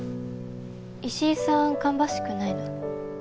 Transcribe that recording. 石井さん芳しくないの？